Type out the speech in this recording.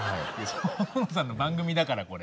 細野さんの番組だからこれ。